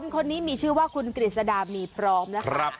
คนนี้มีชื่อว่าคุณกฤษดามีพร้อมนะครับ